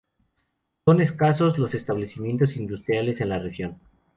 Son escasos los establecimientos industriales en la región.